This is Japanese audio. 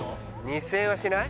２０００円はしない？